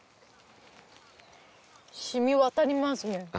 しみ渡りますね。